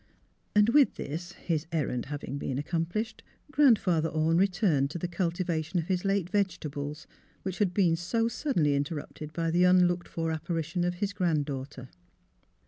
'* And, with this, his errand having been accom plished, Grandfather Orne returned to the culti vation of his late vegetables, which had been so suddenly interrupted by the unlooked for appari tion of his grand daughter.